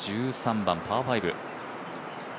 １３番パー５。